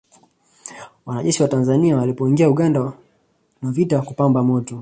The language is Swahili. Wanajeshi wa Tanzania walipoingia Uganda na vita kupamba moto